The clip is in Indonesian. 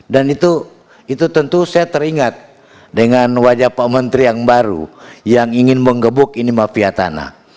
dan itu tentu saya teringat dengan wajah pak menteri yang baru yang ingin mengebuk ini mafia tanah